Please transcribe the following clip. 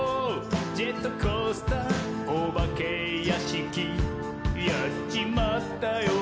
ジェットコースターおばけやしき」「やっちまったよ！